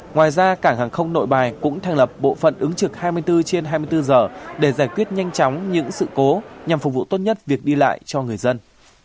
ngoài ra cảng hàng không nội bài cũng thành lập bộ phận ứng trực hai mươi bốn trên hai mươi bốn giờ để giải quyết nhanh chóng những sự cố nhằm phục vụ tốt nhất việc đi lại cho người dân